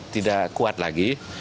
tidak kuat lagi